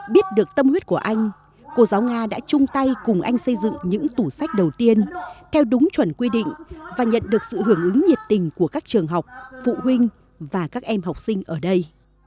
biết được tâm huyết của anh cô giáo nga đã chung tay cùng anh xây dựng những tủ sách đầu tiên theo đúng chuẩn quy định và nhận được sự hưởng ứng nhiệt tình của các trường học phụ huynh và các em học sinh ở đây